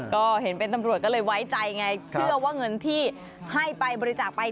ก็เห็นเป็นตำรวจก็เลยไว้ใจไงเชื่อว่าเงินที่ให้ไปบริจาคไป